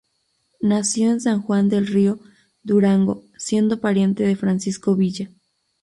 Nació en San Juan del Río, Durango, siendo pariente de Francisco Villa.